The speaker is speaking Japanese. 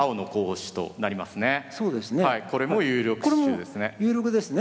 これも有力手ですね。